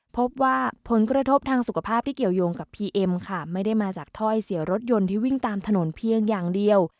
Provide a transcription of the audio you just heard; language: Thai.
พบว่าผลกระทบทางสุขภาพที่เกี่ยวยงกับพีเอ็มค่ะไม่ได้มาจากถ้อยเสียรถยนต์ที่วิ่งตามถนนเพียงอย่างเดียว